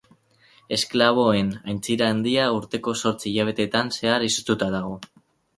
Esklaboen Aintzira Handia urteko zortzi hilabetetan zehar izoztuta dago.